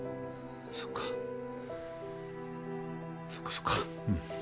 そっかそっかそっかうん。